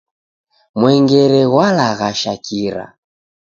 Mwengere ghwalaghasha kira